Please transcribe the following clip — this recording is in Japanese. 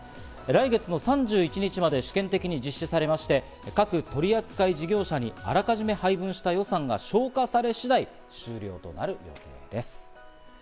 来月の３１日まで試験的に実施されまして、各取り扱い事業者にあらかじめ配分した予算が消化され次第、終了となるということです。